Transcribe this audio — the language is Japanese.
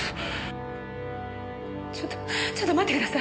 ちょっとちょっと待ってください。